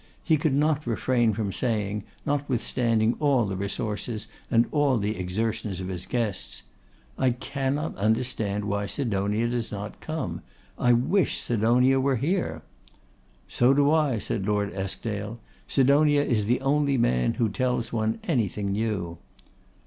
He could not refrain from saying, notwithstanding all the resources and all the exertions of his guests, 'I cannot understand why Sidonia does not come. I wish Sidonia were here.' 'So do I,' said Lord Eskdale; 'Sidonia is the only man who tells one anything new.